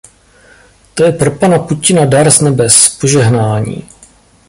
To je pro pana Putina dar z nebes, požehnání.